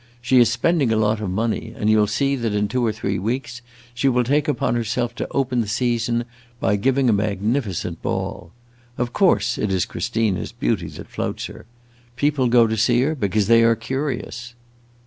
She is spending a lot of money, and you 'll see that in two or three weeks she will take upon herself to open the season by giving a magnificent ball. Of course it is Christina's beauty that floats her. People go to see her because they are curious."